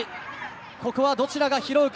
ここはどちらが拾うか。